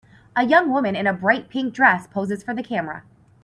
A young woman in a bright pink dress poses for the camera.